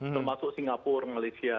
termasuk singapura malaysia